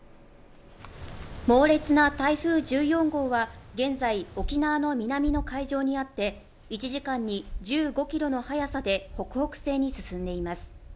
猛烈な台風１４号は現在、沖縄の南の海上にあって、１時間に１５キロの速さで北北西に進んでいます。